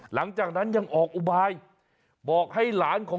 โหวัลละกั๊กวัลละแบน